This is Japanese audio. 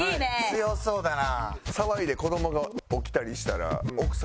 強そうだな。